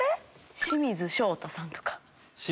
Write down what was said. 清水翔太さんとか。